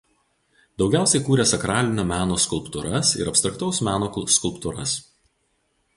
Daugiausiai kūrė sakralinio meno skulptūras ir abstraktaus meno skulptūras.